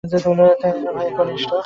তার মায়ের ও ভাইয়ের ঘনিষ্ঠ।